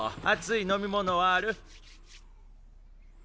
熱い飲み物はある？